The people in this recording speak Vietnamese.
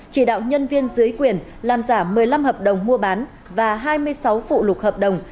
chỉ đạo nhân viên dưới quyền làm giả một mươi năm hợp đồng mua bán và hai mươi sáu phụ lục hợp đồng